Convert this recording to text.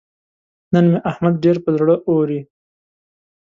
نن مې احمد ډېر پر زړه اوري.